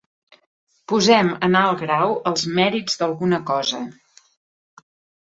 Posem en alt grau els mèrits d'alguna cosa.